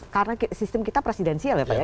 karena sistem kita presidensial ya pak ya